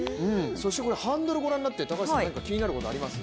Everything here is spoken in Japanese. ハンドルをご覧になって何か気になることあります？